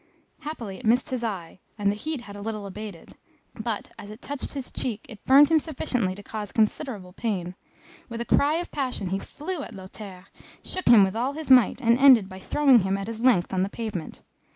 Happily it missed his eye, and the heat had a little abated; but, as it touched his cheek, it burnt him sufficiently to cause considerable pain. With a cry of passion, he flew at Lothaire, shook him with all his might, and ended by throwing him at his length on the pavement.